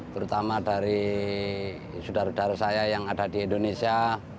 terutama dari saudara saudara saya yang ada di indonesia